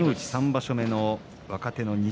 ３場所目の若手の錦